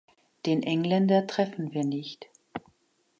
Den Engländer treffen wir nicht.